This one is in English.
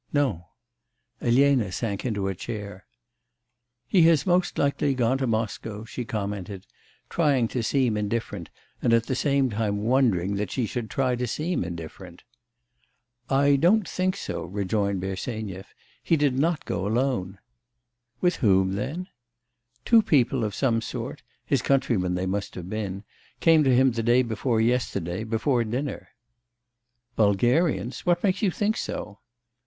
'No.' Elena sank into a chair. 'He has most likely gone to Moscow,' she commented, trying to seem indifferent and at the same time wondering that she should try to seem indifferent. 'I don't think so,' rejoined Bersenyev. 'He did not go alone.' 'With whom then?' 'Two people of some sort his countrymen they must have been came to him the day before yesterday, before dinner.' 'Bulgarians! what makes you think so?